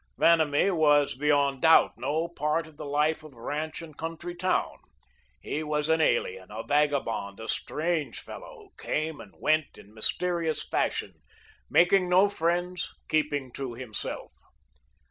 Vanamee was, beyond doubt, no part of the life of ranch and country town. He was an alien, a vagabond, a strange fellow who came and went in mysterious fashion, making no friends, keeping to himself.